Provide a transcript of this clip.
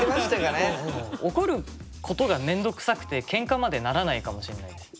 怒ることが面倒くさくてケンカまでならないかもしれないです。